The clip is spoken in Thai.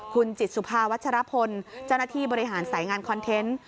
คุณจิตสุภาวัชรพลเจ้าหน้าที่บริหารสายงานคอนเทนต์